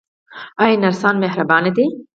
آیا نرسان مهربان دي؟